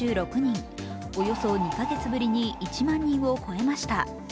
およそ２か月ぶりに１万人を超えました。